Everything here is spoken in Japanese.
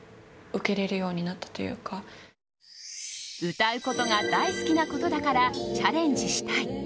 歌うことが大好きなことだからチャレンジしたい。